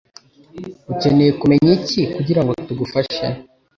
ukeneye kumenya iki kugirango tugufashe